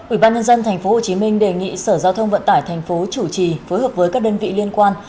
ủy ban nhân dân tp hcm đề nghị sở giao thông vận tải tp chủ trì phối hợp với các đơn vị liên quan